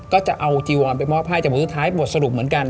ก็จะเอาจีวอลไปมอบให้จำเป็นที่สุดท้ายบทสรุปเหมือนกัน